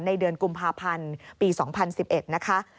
เดือนกุมภาพันธ์ปี๒๐๑๑นะคะ